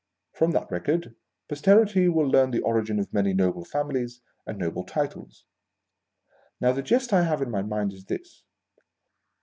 From that record, Posterity will learn the origin of many noble families and noble titles. Now the jest I. have in my mind, is this.